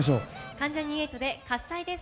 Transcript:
関ジャニ∞で「喝采」です。